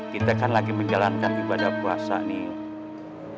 kita kan lagi menjalankan ibadah puasa nih